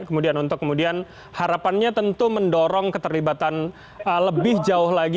kemudian untuk kemudian harapannya tentu mendorong keterlibatan lebih jauh lagi